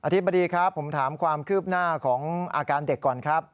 ธิบดีครับผมถามความคืบหน้าของอาการเด็กก่อนครับ